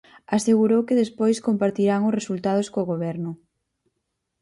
Asegurou que despois compartirán os resultados co Goberno.